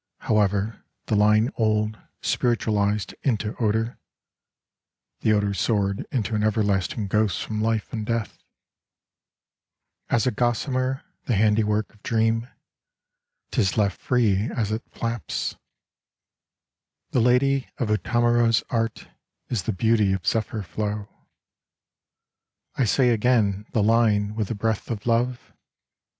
However, the h*ne old, spiritualised into odour, (The odour soared into an everlasting ghost from life and death,) As a gossamer, the handiwork of dream, Tis left free as it flaps : The lady of Utamaro's Art is the beauty of zephyr flow. I say again, the line with the breath of love.